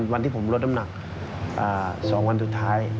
วันที่ผมลดน้ำหนัก๒วันสุดท้าย